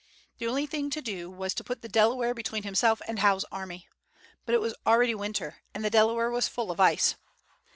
The only thing to do was to put the Delaware between himself and Howe's army. But it was already winter, and the Delaware was full of ice.